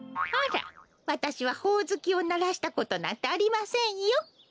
あらわたしはほおずきをならしたことなんてありませんよ。